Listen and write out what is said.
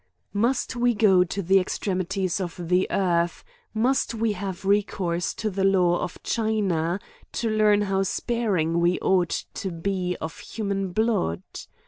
MUST we go to the extremities of the earth, must we have recourse to the law of China, to learn how sparing we ough to be of human blood?